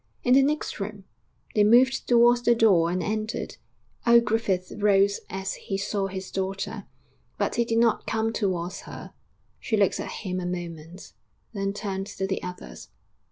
'In the next room.' They moved towards the door and entered. Old Griffith rose as he saw his daughter, but he did not come towards her. She looked at him a moment, then turned to the others.